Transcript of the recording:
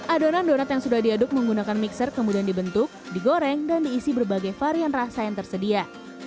adonan donat yang sudah diaduk menggunakan mixer kemudian dibentuk digoreng dan diisi berbagai varian rasa yang tersedia